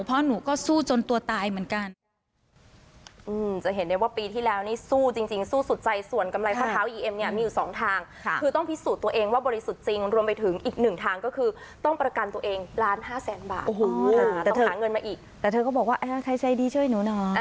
เพราะหนูก็สู้จนตัวตายเหมือนกัน